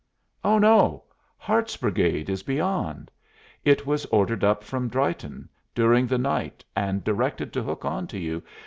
"Oh, no, Hart's brigade is beyond. It was ordered up from Drytown during the night and directed to hook on to you.